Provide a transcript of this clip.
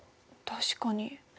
確かに。